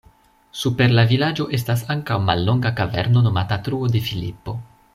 Super la vilaĝo estas ankaŭ mallonga kaverno nomata Truo de Filipo.